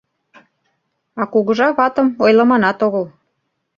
А кугыжа ватым ойлыманат огыл.